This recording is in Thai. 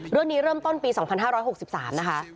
เรื่องนี้เริ่มต้นปี๒๕๖๓นะคะ